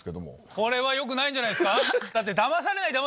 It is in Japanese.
これは良くないんじゃないですか？